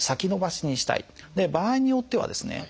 場合によってはですね